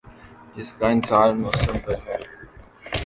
جس کا انحصار موسم پر ہے ۔